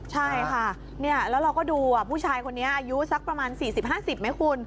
ใช่ค่ะแล้วเราก็ดูผู้ชายคนนี้อายุสักประมาณ๔๐๕๐ไหมคุณ